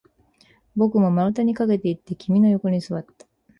僕も丸太に駆けていって、君の横に座った